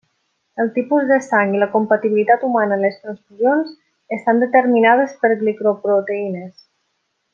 Els tipus de sang i la compatibilitat humana en les transfusions estan determinades per glicoproteïnes.